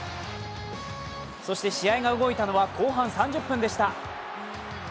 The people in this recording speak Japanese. そして試合が動いたのは、後半３０分でした。